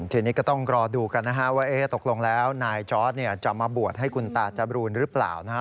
ทีนี้ก็ต้องรอดูกันนะฮะว่าตกลงแล้วนายจอร์ดจะมาบวชให้คุณตาจบรูนหรือเปล่านะฮะ